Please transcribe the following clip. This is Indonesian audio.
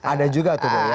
ada juga tuh bu ya